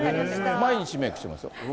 毎日メークしてますよ。